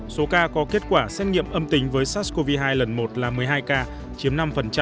số ca có kết quả xét nghiệm âm tính với sars cov hai lần một là một mươi hai ca chiếm năm